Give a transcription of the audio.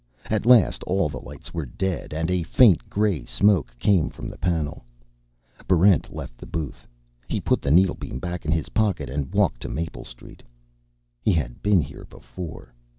At last all the lights were dead, and a faint gray smoke came from the panel. Barrent left the booth. He put the needlebeam back in his pocket and walked to Maple Street. He had been here before.